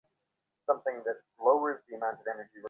জায়গা পেয়েই তরবারি কাজ শুরু করে।